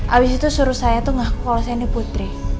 abis itu suruh saya tuh ngaku kalau saya ini putri